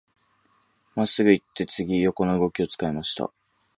真っすぐ行って、次、横の動きを使いました。